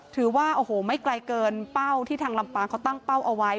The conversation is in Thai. ถือว่าโอ้โหไม่ไกลเกินเป้าที่ทางลำปางเขาตั้งเป้าเอาไว้